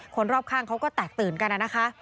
คนรอบข้างเขาก็แตกตื่นกันนะคะ